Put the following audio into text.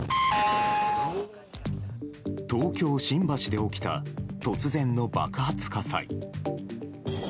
東京・新橋で起きた突然の爆発火災。